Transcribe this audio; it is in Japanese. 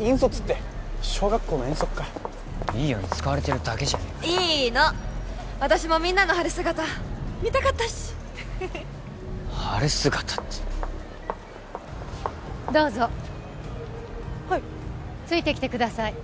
引率って小学校の遠足かいいように使われてるだけじゃねえかいいの私もみんなの晴れ姿見たかったし晴れ姿ってどうぞはいついてきてください